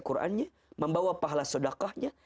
qurannya membawa pahala sodakahnya